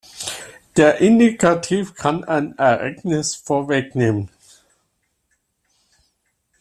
Der Indikativ kann ein Ereignis vorwegnehmen.